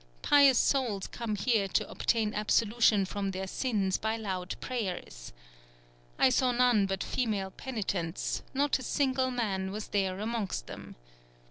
Pious souls come here to obtain absolution from their sins by loud prayers. I saw none but female penitents, not a single man was there amongst them.